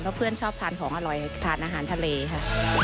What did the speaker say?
เพื่อนชอบทานของอร่อยทานอาหารทะเลค่ะ